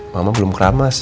mama belum keramas